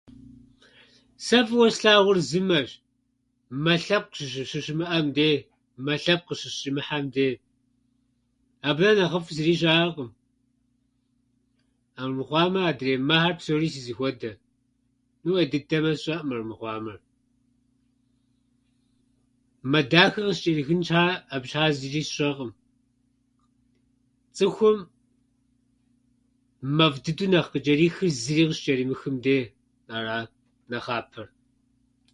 Сэ фӏыуэ слъагъур зы мэщ. Мэ лъэпкъ щыщы- щыщымыӏэм де, мэ лъэпкъ къыщысщӏимыхьэм де. Абы нэ нэхъыфӏ зыри щыӏэкъым. Армыхъуамэ, адрей мэхьэр псори си зэхуэдэ. Ну, ӏей дыдэмэ сщӏэрӏым армыхъуамэ. Мэ дахэ къысчӏэрихын щхьа абы щхьа зыри сщӏэӏым. Цӏыхум мэфӏ дыдэу нэхъ къычӏэрихыр зыри къыщычӏэримыхым деи. Ара нэхъапэр.